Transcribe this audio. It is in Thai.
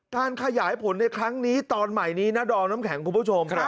การขยายผลในครั้งนี้ตอนใหม่นี้นะดอมน้ำแข็งคุณผู้ชม